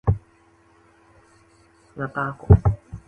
It was Lady Catherine de Bourgh.